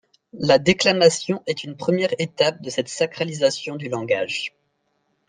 La déclamation est une première étape de cette sacralisation du langage.